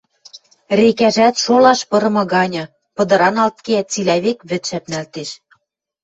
Рекӓжӓт шолаш пырымы ганьы: пыдыраналт кеӓ, цилӓ век вӹд шӓпнӓлтеш…